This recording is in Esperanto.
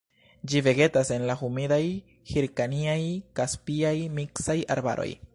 Ĝi vegetas en la humidaj hirkaniaj-kaspiaj miksaj arbaroj.